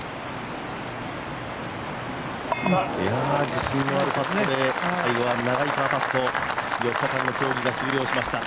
自信のあるパットで最後は長いパーパット４日間の競技が終了しました。